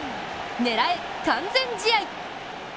狙え、完全試合。